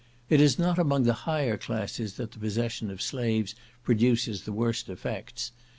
It is not among the higher classes that the possession of slaves produces the worst effects.